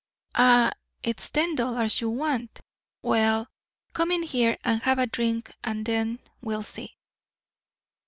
"Ah, it's ten dollars you want. Well, come in here and have a drink and then we'll see."